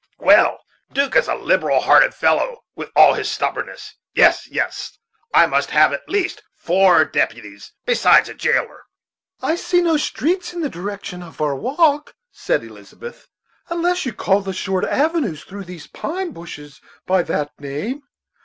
Well, 'Duke is a liberal hearted fellow, with all his stubbornness. Yes, yes; I must have at least four deputies, besides a jailer." "I see no streets in the direction of our walk," said Elizabeth, "unless you call the short avenues through these pine bushes by that name.